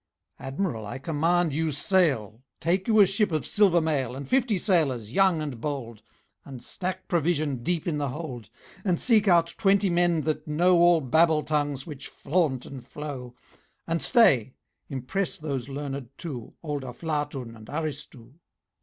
"Admiral, I command you sail! Take you a ship of silver mail, And fifty sailors, young and bold, And stack provision deep in the hold, "And seek out twenty men that know All babel tongues which flaunt and flow; And stay! Impress those learned two, Old Aflatun, and Aristu.